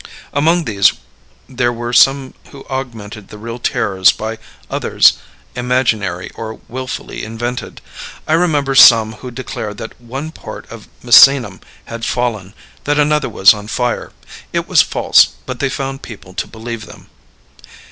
Among these there were some who augmented the real terrors by others imaginary or wilfully invented. I remember some who declared that one part of Misenum had fallen, that another was on fire; it was false, but they found people to believe them.